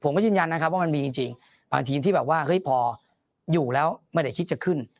ยืนยันนะครับว่ามันมีจริงบางทีมที่แบบว่าเฮ้ยพออยู่แล้วไม่ได้คิดจะขึ้น